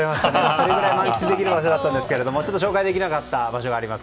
それぐらい満喫できる場所だったんですがちょっと紹介できなかった場所があります。